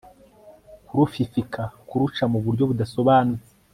kurufifika kuruca mu buryo budasobanutse